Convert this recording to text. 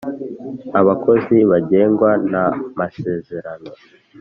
abakozi bagengwa na masezerano,